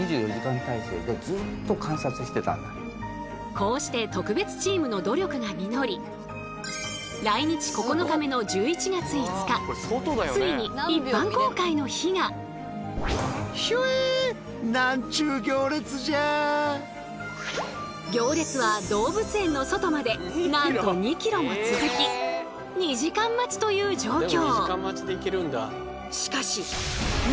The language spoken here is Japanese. こうして特別チームの努力が実り来日９日目の行列は動物園の外までなんと２ｋｍも続き２時間待ちという状況。